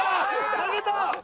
投げた！